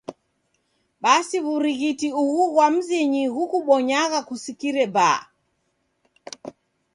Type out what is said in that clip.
Basi wur'ighiti ughu ghwa mzinyi ghukubonyagha kusikire baa.